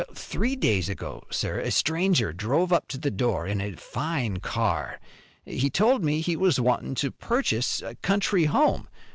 Three days ago, sir, a stranger drove up to the door in a fine car. He told me he was wantin' to purchase a country home.